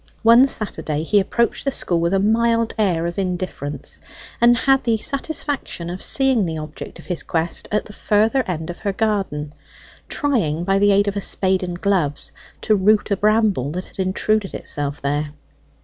One Saturday he approached the school with a mild air of indifference, and had the satisfaction of seeing the object of his quest at the further end of her garden, trying, by the aid of a spade and gloves, to root a bramble that had intruded itself there.